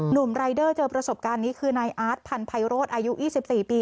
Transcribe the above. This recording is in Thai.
หนุ่มรายเดอร์เจอประสบการณ์นี้คือนายอาร์ตพันธัยโรธอายุ๒๔ปี